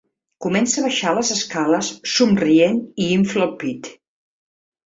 Comença a baixar les escales somrient i infla el pit.